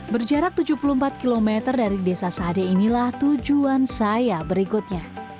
berjarak tujuh puluh empat km dari desa sade inilah tujuan saya berikutnya